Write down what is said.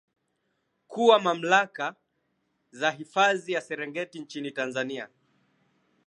kuwa mamlaka za hifadhi ya Serengeti nchini Tanzania